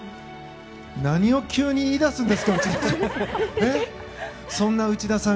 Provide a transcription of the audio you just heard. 何を急に言い出すんですか、内田さん。